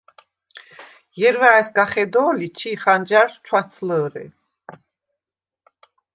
ჲერუ̂ა̈ჲ სგა ხედო̄ლი, ჩი ხანჯარშუ̂ ჩუ̂’აცლჷ̄რე.